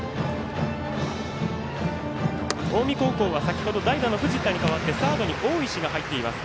近江高校は代打の藤田に代わってサードに大石が入っています。